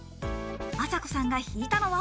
あさこさんが引いたのは？